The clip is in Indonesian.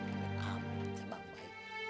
wih ini amat ya bang bayi